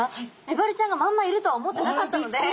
メバルちゃんがまんまいるとは思ってなかったので。